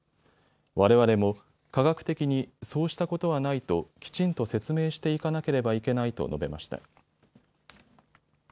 われわれも科学的にそうしたことはないときちんと説明していかなければいけないと述べました。